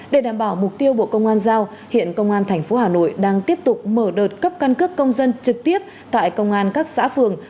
để đảm bảo mục tiêu bộ công an giao hiện công an tp hà nội đang tiếp tục mở đợt cấp căn cước công dân trực tiếp tại công an các xã phường